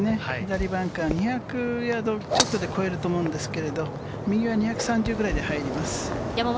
左バンカーが２００ヤードちょっとで越えると思うんですけれど、右は２３０ぐらいで入ります。